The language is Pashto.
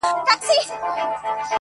له باڼو تر ګرېوانه د اوښكو كور دئ-